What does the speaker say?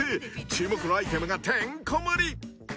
［注目のアイテムがてんこもり］